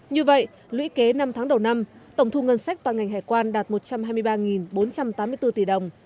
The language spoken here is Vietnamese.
như vậy lũy kế năm tháng đầu năm tổng thu ngân sách toàn ngành hải quan đạt một trăm hai mươi ba bốn trăm tám mươi bốn tỷ đồng